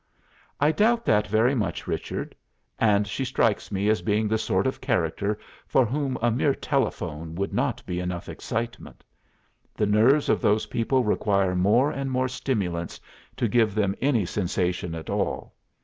'" "'I doubt that very much, Richard. And she strikes me as being the sort of character for whom a mere telephone would not be enough excitement. The nerves of those people require more and more stimulants to give them any sensation at all.